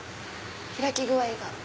開き具合が。